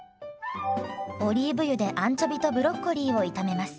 オリーブ油でアンチョビとブロッコリーを炒めます。